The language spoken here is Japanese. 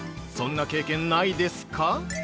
そんな経験ないですか？